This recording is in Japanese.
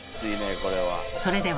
これは。